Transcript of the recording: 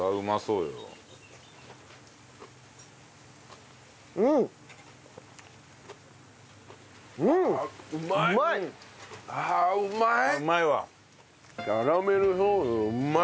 うまい！